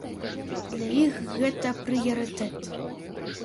Для іх гэта прыярытэт.